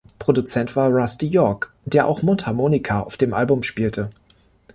Produzent war Rusty York, der auch Mundharmonika auf dem Album spielte.